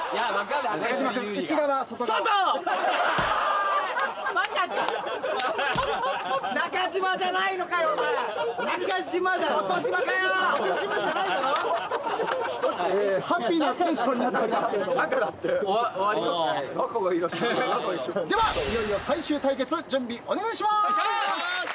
ではいよいよ最終対決準備お願いしまーす！